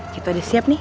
kita udah siap nih